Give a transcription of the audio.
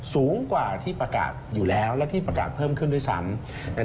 สูงกว่าที่ประกาศอยู่แล้วและที่ประกาศเพิ่มขึ้นด้วยซ้ำ